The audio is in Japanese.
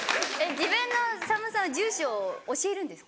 自分のさんまさんは住所を教えるんですか？